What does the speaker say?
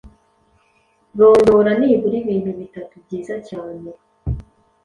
Rondora nibura ibintu bitatu byiza cyane